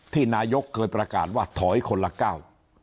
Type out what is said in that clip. นายกเคยประกาศว่าถอยคนละก้าว